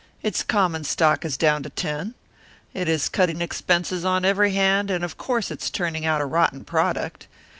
Its common stock is down to ten. It is cutting expenses on every hand, and of course it's turning out a rotten product.